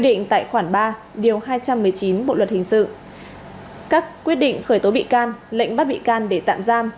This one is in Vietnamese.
định tại khoản ba điều hai trăm một mươi chín bộ luật hình sự các quyết định khởi tố bị can lệnh bắt bị can để tạm giam